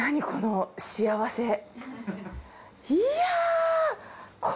この幸せ。